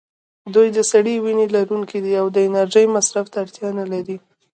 دوی د سړې وینې لرونکي دي او د انرژۍ مصرف ته اړتیا نه لري.